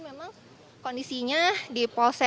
memang kondisinya di polrestabes